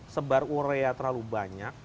sebar urea terlalu banyak